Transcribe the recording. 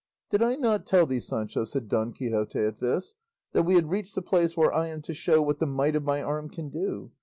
"Did I not tell thee, Sancho," said Don Quixote at this, "that we had reached the place where I am to show what the might of my arm can do?